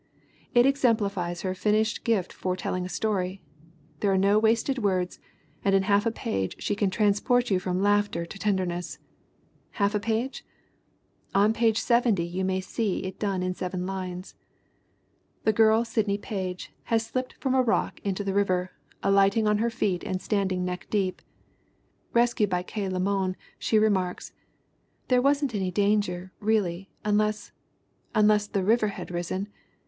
It exemplifies her finished gift for telling a story ; there are no wasted words and in half a page she can transport you from laughter to tenderness. Half a page ? On page 70 you may see it done in seven lines. The girl Sidney Page has slipped from a rock into the river, alighting on her feet and standing neck deep. Rescued by K. Le Moyne, she remarks :" 'There wasn't any danger, really, unless unless the river had risen.